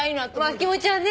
まあ気持ちはね。